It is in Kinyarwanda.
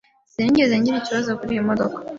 Sinigeze ngira ikibazo kuriyi modoka.